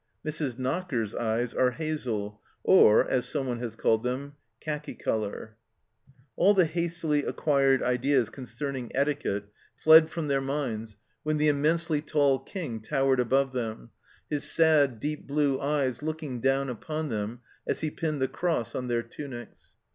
Mrs. Knocker's eyes are hazel, or, as someone has called them, " khaki colour "! All the hastily acquired ideas concerning etiquette 37 210 THE CELLAR HOUSE OF PERVYSE fled from their minds when the immensely tall King towered above them, his sad, deep blue eyes looking down upon them as he pinned the Cross on their tunics.